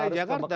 ya di jakarta